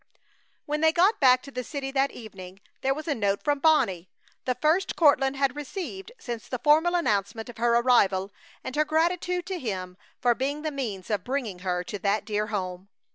When they got back to the city that evening there was a note from Bonnie, the first Courtland had received since the formal announcement of her arrival and her gratitude to him for being the means of bringing her to that dear home.